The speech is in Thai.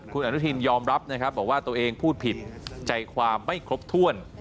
คุณอนุทินยอมรับนะครับบอกว่าตัวเองพูดผิดใจความไม่ครบถ้วน